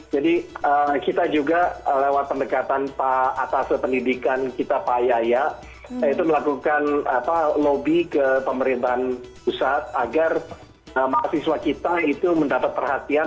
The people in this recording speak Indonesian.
jadi kita juga lewat pendekatan pak atas pendidikan kita pak yaya melakukan lobby ke pemerintahan pusat agar mahasiswa kita itu mendapat perhatian